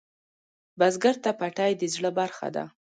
بزګر ته پټی د زړۀ برخه ده